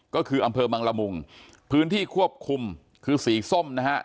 ก็คืออำเภอบังละมุงพื้นที่ควบคุมคือสีส้มนะฮะ